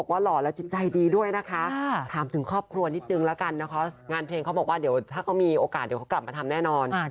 ครอบครัวนิดนึงละกันนะครับงานเพลงเขาบอกว่าเดี๋ยวถ้าเขามีโอกาสเดี๋ยวเขากลับมาทำแน่นอน